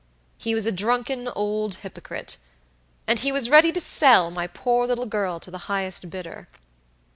He was a drunken old hypocrite, and he was ready to sell my poor, little girl to the highest bidder.